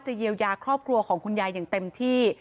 เยียวยาครอบครัวของคุณยายอย่างเต็มที่